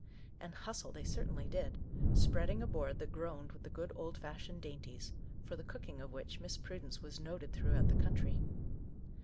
And " hustle " they certainly did, spread ing a board that groaned with the good old fashioned dainties, for the cooking of which Miss Prudence was noted through out the country.